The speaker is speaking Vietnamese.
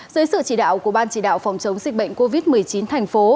dưới sự chỉ đạo của ban chỉ đạo phòng chống dịch bệnh covid một mươi chín thành phố